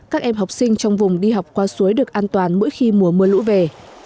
các em học sinh trong vùng đi học qua suối được an toàn mỗi khi mùa mưa lũ về